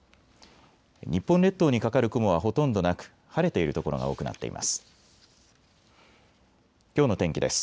日本列島にかかる雲はほとんどなく晴れている所が多くなっています。